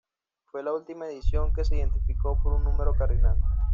Fue la última edición que se identificó por un número cardinal.